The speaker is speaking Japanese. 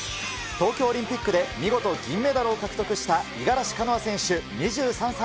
東京オリンピックで見事銀メダルを獲得した五十嵐カノア選手２３歳。